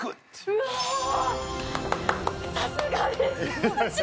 うわ、さすがです。